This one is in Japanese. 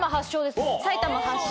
埼玉発祥。